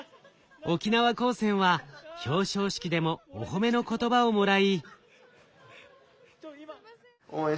沖縄高専は表彰式でもお褒めの言葉をもらい。